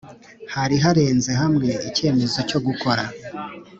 Hari harenze hamwe icyemezo cyo gukora